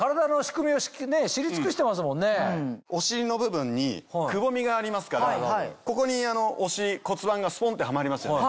お尻の部分にくぼみがありますからここにお尻骨盤がスポンってはまります。